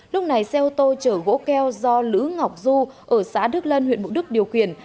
lúc này xe ô tô chở gỗ keo do lữ ngọc du ở xã đức lân huyện mộ đức điều khiển